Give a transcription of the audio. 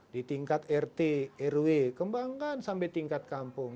di tingkat rt rw kembangkan sampai tingkat kampung